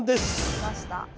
きました！